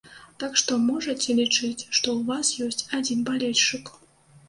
Так што, можаце лічыць, што ў вас ёсць адзін балельшчык.